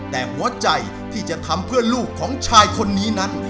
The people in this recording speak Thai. แต่หัวใจที่จะทำเพื่อลูกของชายคนนี้นั้น